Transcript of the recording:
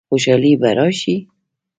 خوشحالي به راشي؟